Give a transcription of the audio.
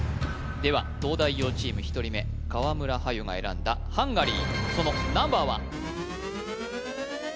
では東大王チーム１人目川村はゆが選んだハンガリーそのナンバーは？